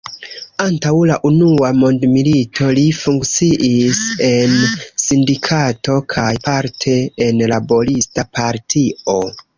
Antaŭ la unua mondmilito li funkciis en sindikato kaj parte en laborista partio.